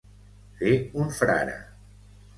Fer un frare.